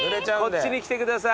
こっちに来てください。